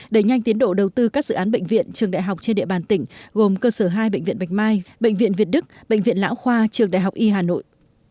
đẩy nhanh tiến độ đầu tư các dự án bệnh viện trường đại học trên địa bàn tỉnh gồm cơ sở hai bệnh viện bạch mai bệnh viện việt đức bệnh viện lão khoa trường đại học y hà nội